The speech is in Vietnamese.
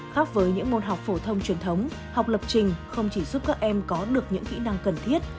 khác với những môn học phổ thông truyền thống học lập trình không chỉ giúp các em có được những kỹ năng cần thiết